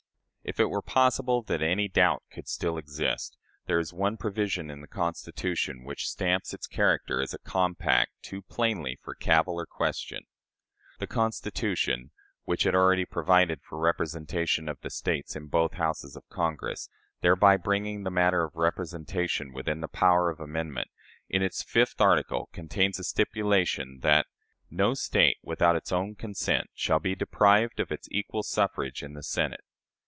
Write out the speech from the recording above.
If it were possible that any doubt could still exist, there is one provision in the Constitution which stamps its character as a compact too plainly for cavil or question. The Constitution, which had already provided for the representation of the States in both Houses of Congress, thereby bringing the matter of representation within the power of amendment, in its fifth article contains a stipulation that "no State, without its [own] consent, shall be deprived of its equal suffrage in the Senate."